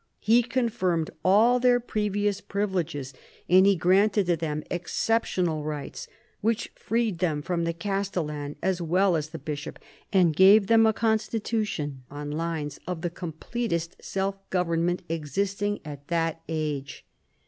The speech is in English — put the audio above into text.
He confirmed all their previous privileges, and he granted to them exceptional rights which freed them from the castellan as well as the bishop, and gave them a constitution on lines of the completest self government existing at that age.